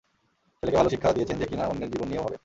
ছেলেকে ভালো শিক্ষা দিয়েছেন যে কি না অন্যের জীবন নিয়েও ভাবে।